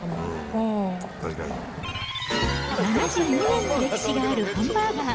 ７２年の歴史があるハンバーガー。